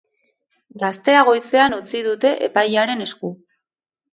Gaztea goizean utzi dute epailearen esku.